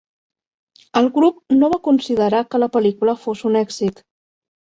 El grup no va considerar que la pel·lícula fos un èxit.